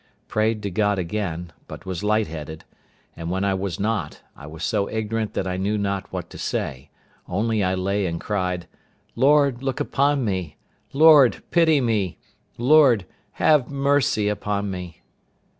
Prayed to God again, but was light headed; and when I was not, I was so ignorant that I knew not what to say; only I lay and cried, "Lord, look upon me! Lord, pity me! Lord, have mercy upon me!"